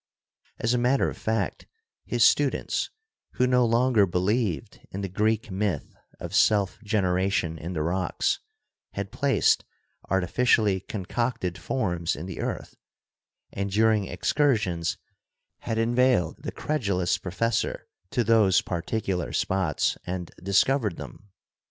As a matter of fact, his students, who no longer believed in the Greek myth of self generation in the rocks, had placed artificially concocted forms in the earth, and during excursions had inveigled the credulous professor to those particular spots GEOLOGY AND THE CHURCH 41 and discovered them